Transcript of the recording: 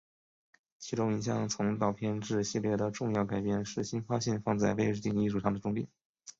其中一项从导片至系列的重要改变是新发现放在背景艺术上的重点。